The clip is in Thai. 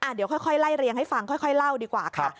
เดี๋ยวค่อยไล่เรียงให้ฟังค่อยเล่าดีกว่าค่ะ